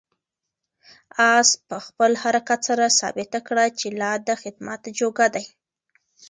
آس په خپل حرکت سره ثابته کړه چې لا د خدمت جوګه دی.